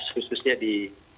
khususnya di empat puluh empat